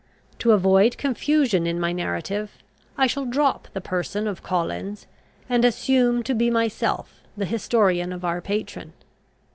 To avoid confusion in my narrative, I shall drop the person of Collins, and assume to be myself the historian of our patron.